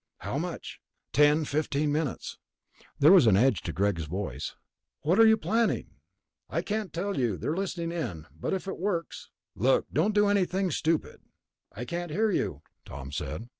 "How much?" "Ten, fifteen minutes." There was an edge to Greg's voice. "What are you planning?" "I can't tell you, they're listening in. But if it works...." "Look, don't do anything stupid." "I can't hear you," Tom said.